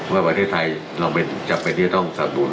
ว่าประเทศไทยเราจำเป็นที่จะต้องสับสนุน